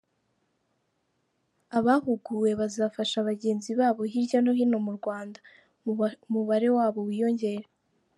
Abahuguwe bazafasha bagenzi babo hirya no hino mu Rwanda, umubare wabo wiyongere.